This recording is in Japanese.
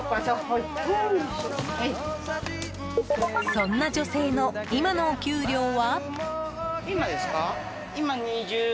そんな女性の今のお給料は？